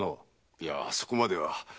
いやそこまでは。